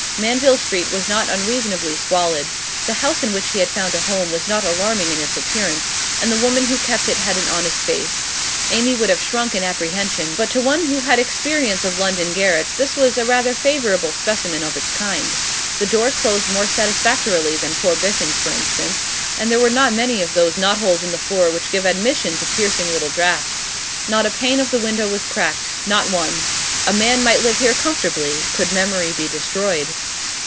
Manville Street was not unreasonably squalid; the house in which he had found a home was not alarming in its appearance, and the woman who kept it had an honest face. Amy would have shrunk in apprehension, but to one who had experience of London garrets this was a rather favourable specimen of its kind. The door closed more satisfactorily than poor Biffen's, for instance, and there were not many of those knot holes in the floor which gave admission to piercing little draughts; not a pane of the window was cracked, not one. A man might live here comfortably could memory be destroyed.